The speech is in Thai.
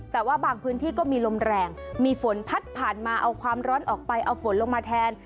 แต่ว่าบางพื้นที่ก็มีลมแรงมีฝนพัดผ่านมาเอาความร้อนออกไปเอาฝนลงมาแทน